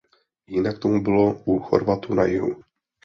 Jinak tomu bylo u Chorvatů na jihu.